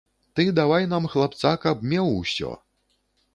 Ты давай нам хлапца, каб меў усё.